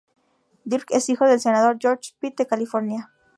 Dirk es hijo del senador George Pitt, de California.